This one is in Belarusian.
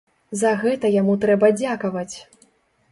За гэта яму трэба дзякаваць!